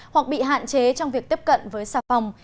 hoặc bị hạn chế trong việc tiếp cận với xà phòng